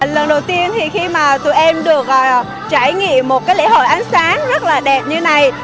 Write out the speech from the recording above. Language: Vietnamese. lần đầu tiên thì khi mà tụi em được trải nghiệm một cái lễ hội ánh sáng rất là đẹp như này